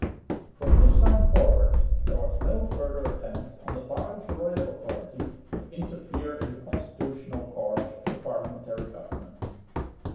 From this time forward there was no further attempt on the part of the royal authority to interfere in the constitutional course of parliamentary government.